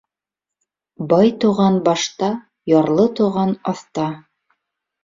Бай туған башта, ярлы туған аҫта.